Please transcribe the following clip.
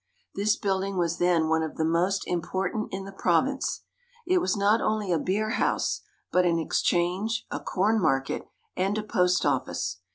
This building was then one of the most important in the province. It was not only a beer house, but an exchange, a corn market, and a post office.